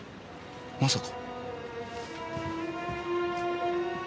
まさか。